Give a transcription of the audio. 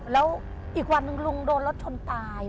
แล้วอีกวันหนึ่งลุงโดนรถชนตาย